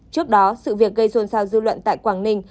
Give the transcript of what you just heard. trước đó sự việc gây ruồn sao dư luận tại quảng ninh